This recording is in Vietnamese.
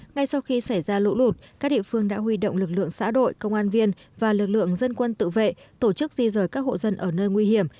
ngay sau khi xảy ra lũ lụt các địa phương đã huy động lực lượng xã đội công an viên và lực lượng dân quân tự vệ tổ chức di rời các hộ dân ở nơi nguy hiểm